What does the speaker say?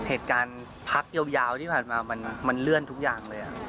เหตุการณ์พักยาวที่ผ่านมามันเลื่อนทุกอย่างเลย